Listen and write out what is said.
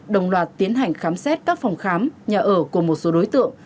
đồng loạt tiến hành khám xét các phòng khám nhà ở của một số đối tượng